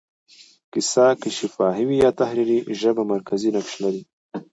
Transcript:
کیسه که شفاهي وي یا تحریري، ژبه مرکزي نقش لري.